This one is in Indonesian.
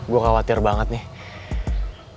gue khawatir banget nih